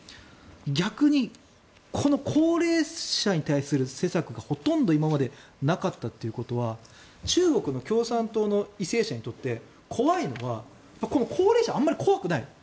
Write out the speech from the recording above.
逆にこの高齢者に対する施策がほとんど今までなかったということは中国の共産党の為政者にとって怖いのは高齢者はあんまり怖くない。